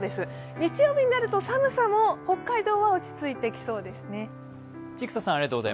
日曜日になると寒さも北海道は落ち着いてきそうですね。